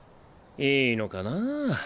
いいのかなぁ